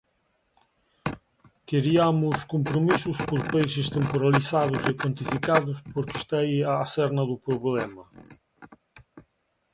Queriamos compromisos por países temporalizados e cuantificados, porque está aí a cerna do problema.